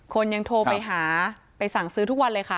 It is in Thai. คนยังโทรไปหาไปสั่งซื้อทุกวันเลยค่ะ